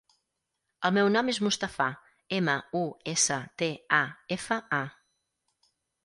El meu nom és Mustafa: ema, u, essa, te, a, efa, a.